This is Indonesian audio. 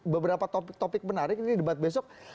beberapa topik topik menarik ini debat besok